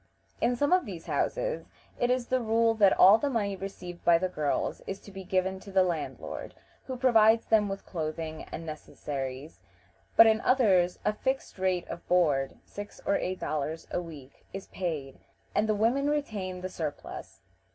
In some of these houses it is the rule that all the money received by the girls is to be given to the landlord, who provides them with clothing and necessaries, but in others a fixed rate of board six or eight dollars a week is paid, and the women retain the surplus.